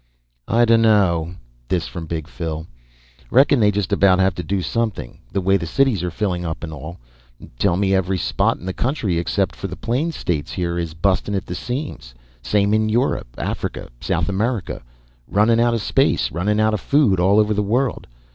"I dunno." This from Big Phil. "Reckon they just about have to do something, the way cities are filling up and all. Tell me every spot in the country, except for the plains states here, is busting at the seams. Same in Europe, Africa, South America. Running out of space, running out of food, all over the world.